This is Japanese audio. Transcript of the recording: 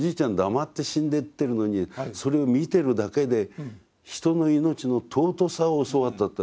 黙って死んでってるのにそれを見てるだけで「人の命の尊さを教わった」と作文に書いてる。